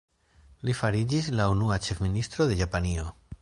Li fariĝis la unua Ĉefministro de Japanio.